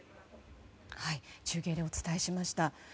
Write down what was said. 中継でお伝えしました。